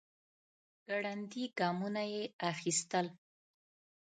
ګړندي ګامونه يې اخيستل.